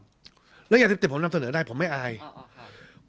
เรื่องอย่างติดติดผมนำเสนอได้ผมไม่อายอ๋ออ๋อค่ะ